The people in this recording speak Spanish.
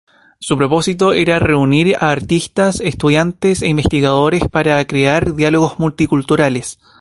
Su propósito era reunir a artistas, estudiantes e investigadores para crear diálogos multiculturales.